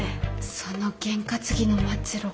そのゲン担ぎの末路が。